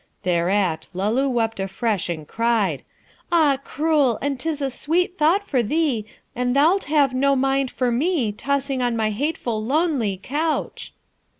Thereat, Luloo wept afresh, and cried, 'Ah, cruel! and 'tis a sweet thought for thee, and thou'lt have no mind for me, tossing on my hateful lonely couch.'